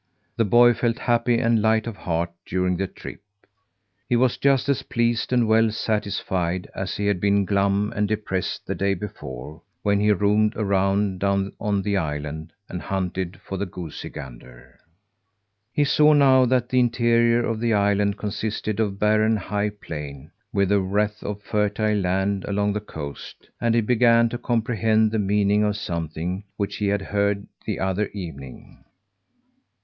The boy felt happy and light of heart during the trip. He was just as pleased and well satisfied as he had been glum and depressed the day before, when he roamed around down on the island, and hunted for the goosey gander. He saw now that the interior of the island consisted of a barren high plain, with a wreath of fertile land along the coast; and he began to comprehend the meaning of something which he had heard the other evening.